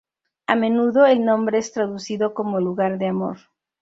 A menudo el nombre es traducido como 'lugar de amor'.